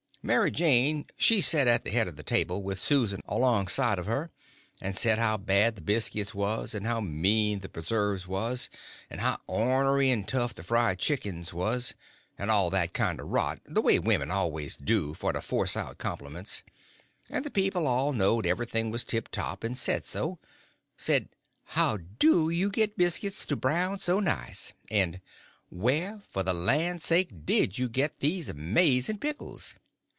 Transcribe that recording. Mary Jane she set at the head of the table, with Susan alongside of her, and said how bad the biscuits was, and how mean the preserves was, and how ornery and tough the fried chickens was—and all that kind of rot, the way women always do for to force out compliments; and the people all knowed everything was tiptop, and said so—said "How do you get biscuits to brown so nice?" and "Where, for the land's sake, did you get these amaz'n pickles?"